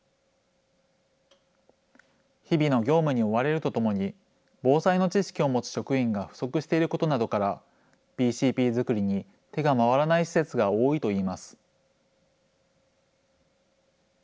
日々の業務に追われるとともに、防災の知識を持つ職員が不足していることなどから、ＢＣＰ作りに手が回らない施設が多いといいます。